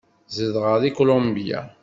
Zedɣeɣ deg Kulumbya.